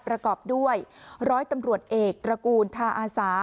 ประกอบด้วยร้อยตำรวจเอกตระกูลทาอาสา